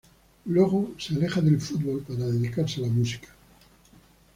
Luego se aleja del fútbol para dedicarse a la música.